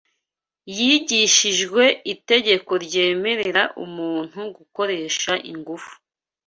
yigishijwe itegeko ryemerera umuntu gukoresha ingufu